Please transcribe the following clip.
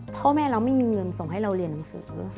พ่อแม่เราไม่มีเงินส่งให้เราเรียนหนังสือ